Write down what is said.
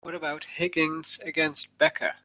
What about Higgins against Becca?